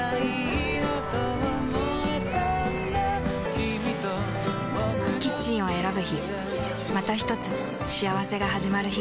キミとボクの未来だキッチンを選ぶ日またひとつ幸せがはじまる日